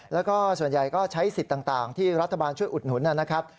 แล้วก็ส่วนใหญ่ก็ใช้สิทธิ์ต่างที่รัฐบาลช่วยอุดหนุนนะครับ